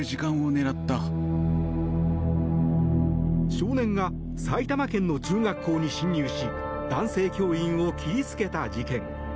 少年が埼玉県の中学校に侵入し男性教員を切りつけた事件。